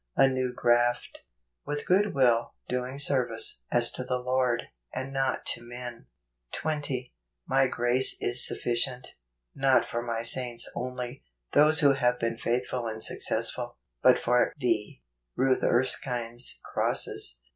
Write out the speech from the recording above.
A New Graft. ." With good will, doing service, as to the Lord , and not to men." JUNE. GO 20. {i My grace is sufficient," not for my saints only—those who have been faithful and successful — but for thee . Ruth Erskine's Crosses.